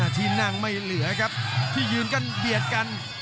ที่นั่งไม่เหลือครับที่ยืนกันเบียดกัน